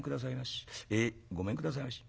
「ごめんくださいまし。